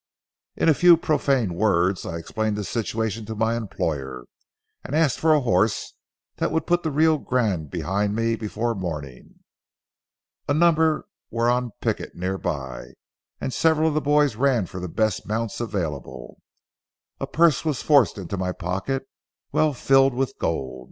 In few and profane words, I explained the situation to my employer, and asked for a horse that would put the Rio Grande behind me before morning. A number were on picket near by, and several of the boys ran for the best mounts available. A purse was forced into my pocket, well filled with gold.